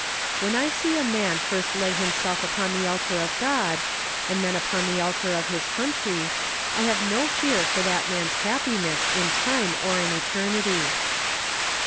When I see a man first lay himself upon the altar of God, and then upon the altar of his country, I have no fear for that man's happiness in time or in eternity.